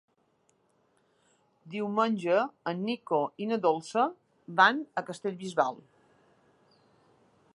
Diumenge en Nico i na Dolça van a Castellbisbal.